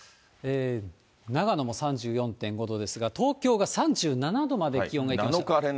長野も３４．５度ですが、東京が３７度まで気温がいきましたね。